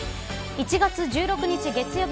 １月１６日月曜日